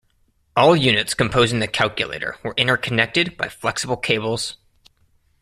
All units composing the Calculator were interconnected by flexible cables.